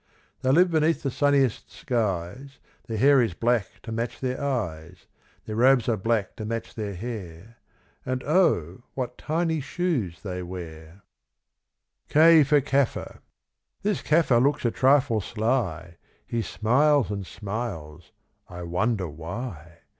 They live beneath the sunniest skies, Their hair is black to match their eyes; Their robes are black to match their hair, And, O! what tiny shoes they wear. K for Kaffir. This Kaffir looks a trifle sly, He smiles and smiles, I wonder why?